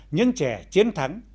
những trẻ chiến thắng